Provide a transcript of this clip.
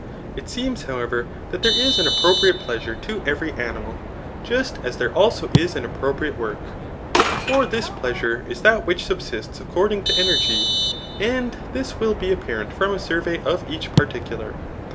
It seems, however, that there is aa appropriate pleasure to every animal, just as there also^is an appropriate work ; for this pleasure is that which sub» dsts acccH'ding to energy. And this will be a|q>ar€&t from a survey of each particular.